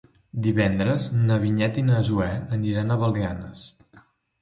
Divendres na Vinyet i na Zoè aniran a Belianes.